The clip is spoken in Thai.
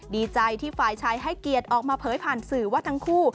ดีใจที่ฝ่ายชายให้เกียรติออกมาเผยผ่านสื่อว่าทั้งคู่